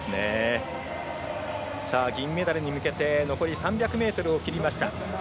銀メダルに向けて３００を切りました。